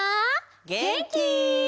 げんき？